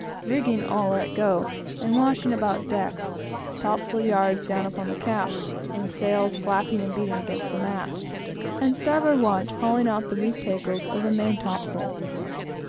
Rigging all let go, and washing about decks; topsail yards down upon the caps, and sails flapping and beating against the masts; and starboard watch hauling out the reef tackles of the main topsail.